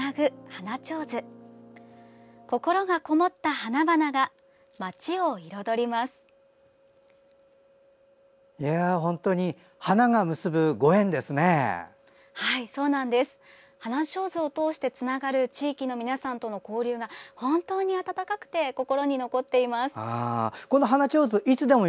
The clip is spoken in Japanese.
花手水を通してつながる地域の皆さんとの交流が本当に温かくて心に残っています。